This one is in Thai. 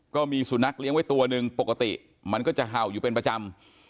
ก็มีสุนัขเลี้ยงไว้ตัวหนึ่งปกติมันก็จะเห่าอยู่เป็นประจำ